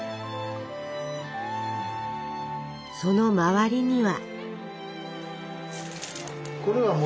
その周りには。